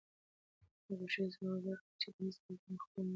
حبشي ځواب ورکړ چې دا سپی زما خپل نه دی.